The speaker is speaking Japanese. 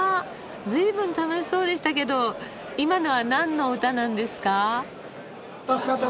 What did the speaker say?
ずいぶん楽しそうでしたけど今のは何の歌なんですか？